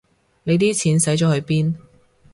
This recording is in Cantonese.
你啲錢使咗去邊